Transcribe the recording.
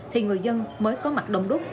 thì người dân mới có mặt đông đúc